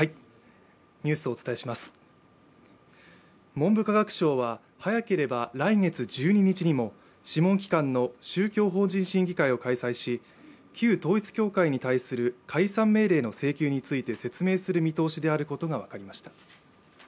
文部科学省は早ければ来月１２日にも諮問機関の宗教法人審議会を開催し旧統一教会に対する解散命令の請求について説明する見通しであることが分かりました。